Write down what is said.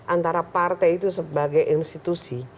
antara partai itu sebagai institusi